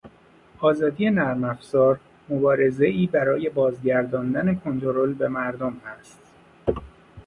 آزادی نرمافزار مبارزهای برای بازگرداندن کنترل به مردم است